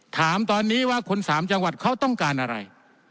ถามตอนนี้ว่าคนสามจังหวัดเขาต้องการอะไร